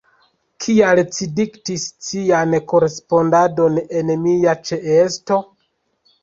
Kial ci diktis cian korespondadon en mia ĉeesto?